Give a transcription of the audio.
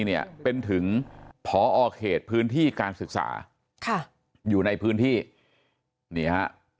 เนี่ยเป็นถึงพอเขตพื้นที่การศึกษาค่ะอยู่ในพื้นที่นี่ฮะ